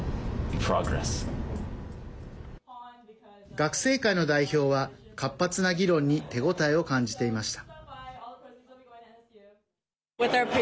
学生会の代表は活発な議論に手応えを感じていました。